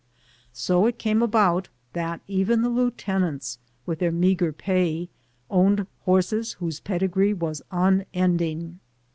So it came about that even the lieutenants, with their meagre pay, owned horses whose pedigree was unending.